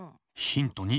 ヒント２！